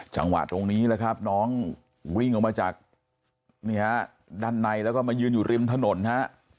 จังหวะตรงนี้แหละครับน้องวิ่งออกมาจากนี่ฮะด้านในแล้วก็มายืนอยู่ริมถนนฮะ